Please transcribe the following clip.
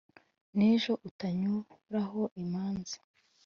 N'ejo utanyuburaho imanza!"